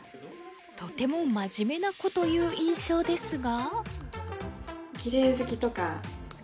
とても真面目な子という印象ですが？